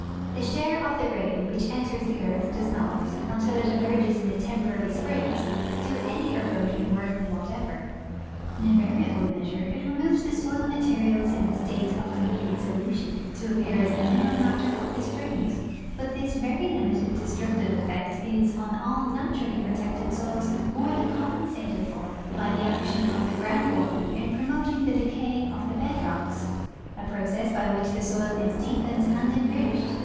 The share of the rain which enters the earth does not, until it emerges in the temporary springs, do any erosion work whatever. In a variable measure it removes the soil materials in the state of complete solution, to appear as the mineral matter of the springs; hut this very limited destructive effect is on all naturally protected soils more than compensated for hy the action of the ground water in promoting the decay of the hed rocks, a process by which the soil is deepened and en riched.